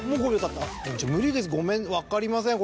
無理ですごめん分かりません